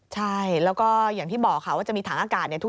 ใช่แล้วก็อย่างที่บอกค่ะว่าจะมีถังอากาศเนี่ย